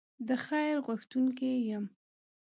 د خیر غوښتونکی یم.